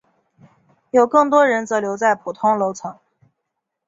有更多人则留在普通楼层。